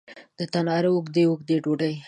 د تناره اوږدې، اوږدې ډوډۍ